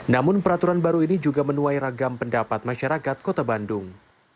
namun peraturan baru ini juga menuai ragam pendapat masyarakat kota bandung